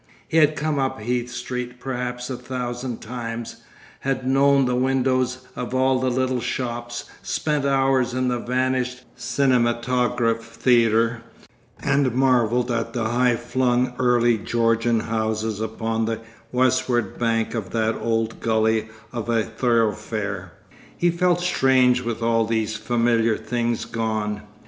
He had come up Heath Street perhaps a thousand times, had known the windows of all the little shops, spent hours in the vanished cinematograph theatre, and marvelled at the high flung early Georgian houses upon the westward bank of that old gully of a thoroughfare; he felt strange with all these familiar things gone.